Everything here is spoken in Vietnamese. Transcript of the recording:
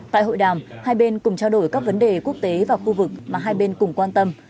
tại hội đàm hai bên cùng trao đổi các vấn đề quốc tế và khu vực mà hai bên cùng quan tâm